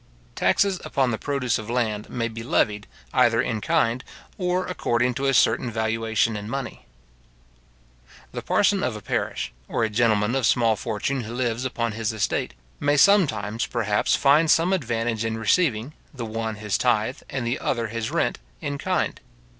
Taxes upon the produce of land may be levied, either in kind, or, according to a certain valuation in money. The parson of a parish, or a gentleman of small fortune who lives upon his estate, may sometimes, perhaps find some advantage in receiving, the one his tythe, and the other his rent, in kind.